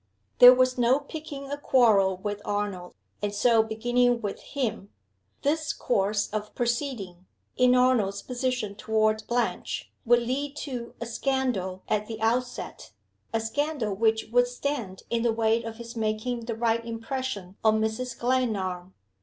There was no picking a quarrel with Arnold, and so beginning with him. This course of proceeding, in Arnold's position toward Blanche, would lead to a scandal at the outset a scandal which would stand in the way of his making the right impression on Mrs. Glenarm.